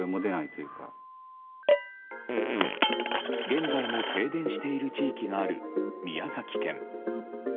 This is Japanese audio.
現在も停電している地域がある宮崎県。